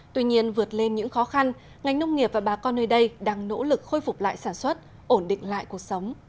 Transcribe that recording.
tuy nhiên vượt lên những khó khăn ngành nông nghiệp và bà con nơi đây đang nỗ lực khôi phục lại sản xuất ổn định lại cuộc sống